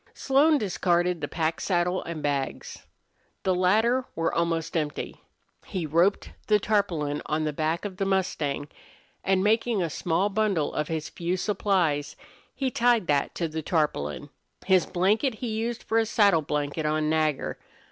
Slone discarded the pack saddle and bags. The latter were almost empty. He roped the tarpaulin on the back of the mustang, and, making a small bundle of his few supplies, he tied that to the tarpaulin. His blanket he used for a saddle blanket on Nagger.